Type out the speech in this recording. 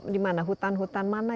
di mana hutan hutan mana